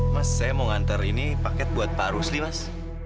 mas saya mau ngantar ini paket buat pak rusli mas